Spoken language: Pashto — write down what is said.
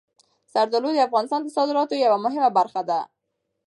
زردالو د افغانستان د صادراتو یوه مهمه برخه ده.